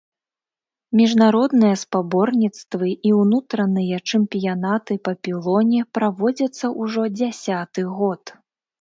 Міжнародныя спаборніцтвы і ўнутраныя чэмпіянаты па пілоне праводзяцца ўжо дзясяты год.